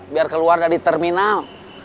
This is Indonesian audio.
biar keluar dari terminal